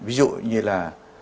ví dụ như là